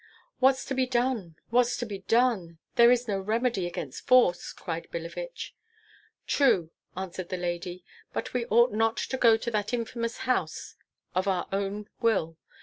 "What's to be done, what's to be done? There is no remedy against force," cried Billevich. "True," answered the lady: "but we ought not to go to that infamous house of our own will.